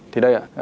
thì đây ạ